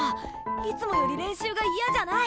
いつもより練習がいやじゃない！